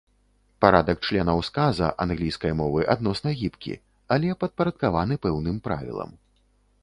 Парадак членаў сказа англійскай мовы адносна гібкі, але падпарадкаваны пэўным правілам.